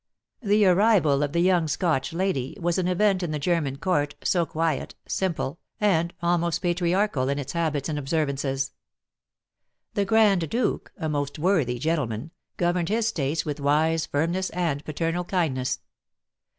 The arrival of the young Scotch lady was an event in the German court, so quiet, simple, and almost patriarchal in its habits and observances. The Grand Duke, a most worthy gentleman, governed his states with wise firmness and paternal kindness.